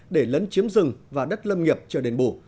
để lấn chiếm rừng và đất lâm nghiệp chờ đền bù